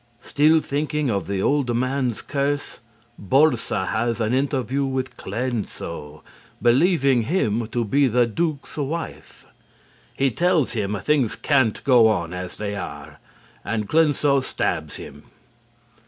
_ Still thinking of the old man's curse, Borsa has an interview with Cleanso, believing him to be the Duke's wife. He tells him things can't go on as they are, and Cleanso stabs him.